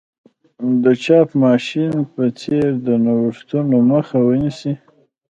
د چاپ ماشین په څېر د نوښتونو مخه ونیسي.